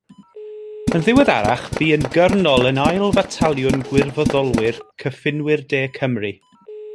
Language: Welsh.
Yn ddiweddarach bu yn Gyrnol ar Ail Fataliwn Gwirfoddolwyr Cyffinwyr De Cymru.